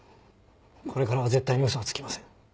これからは絶対に嘘はつきません。